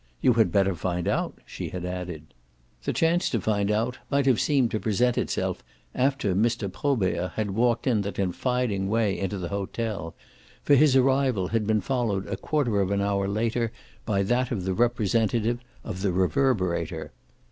"You had better find out," she had added. The chance to find out might have seemed to present itself after Mr. Probert had walked in that confiding way into the hotel; for his arrival had been followed a quarter of an hour later by that of the representative of the Reverberator.